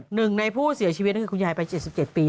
หนึ่งในผู้เสียชีวิตก็คือคุณยายไป๗๗ปี